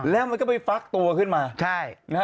แล้วมันก็ไปฟักตัวขึ้นมา